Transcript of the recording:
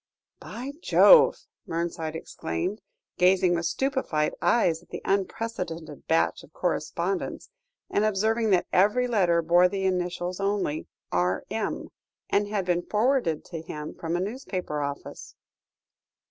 "By Jove!" Mernside exclaimed, gazing with stupefied eyes at the unprecedented batch of correspondence, and observing that every letter bore the initials only, "R.M.," and had been forwarded to him from a newspaper office.